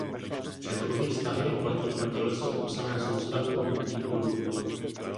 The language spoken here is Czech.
Předchozí vztahy platí pro těleso popsané soustavou hmotných bodů.